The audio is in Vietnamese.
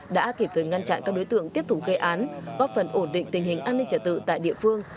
đã kịp thời ngăn chặn các đối tượng tiếp thủ gây án góp phần ổn định tình hình an ninh trả tự tại địa phương